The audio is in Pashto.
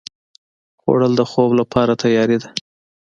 خوړل د خوب لپاره تیاري ده